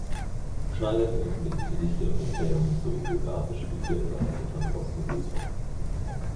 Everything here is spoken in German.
Schneider veröffentlichte Gedichte und Erzählungen sowie biografische Bücher über Annette von Droste-Hülshoff.